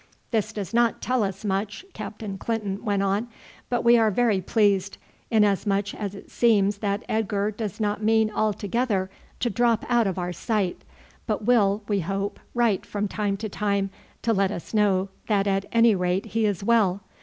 "This does not tell us much," Captain Clinton went on, "but we are very pleased, inasmuch as it seems that Edgar does not mean altogether to drop out of our sight, but will, we hope, write from time to time to let us know that at any rate he is well.